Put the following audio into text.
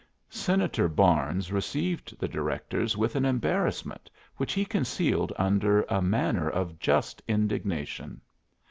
Senator Barnes received the directors with an embarrassment which he concealed under a manner of just indignation.